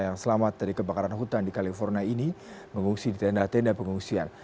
yang selamat dari kebakaran hutan di california ini mengungsi di tenda tenda pengungsian